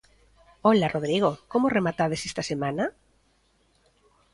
Ola, Rodrigo, como rematades esta semana?